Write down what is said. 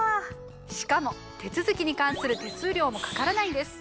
しかも手続きに関する手数料もかからないんです。